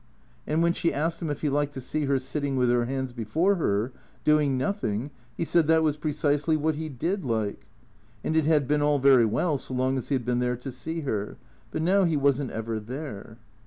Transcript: And when she asked him if he liked to see her sitting with her hands before her, doing noth ing, he said that was precisely what he did like. And it had been all very well so long as he had been there to see her. But now he was n't ever there.